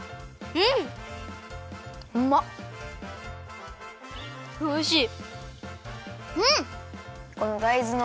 うんおいしい。